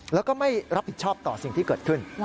แล้วก็ไม่รับผิดชอบต่อสิ่งที่เกิดขึ้น